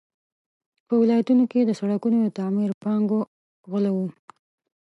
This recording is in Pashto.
په ولایتونو کې د سړکونو د تعمیر پانګو غله وو.